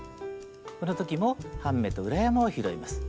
この時も半目と裏山を拾います。